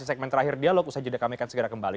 di segmen terakhir dialog usaha jendekamikan segera kembali